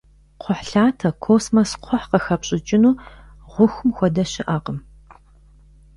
Кхъухьлъатэ, космос кхъухь къыхэпщӀыкӀыну гъухум хуэдэ щыӀэкъым.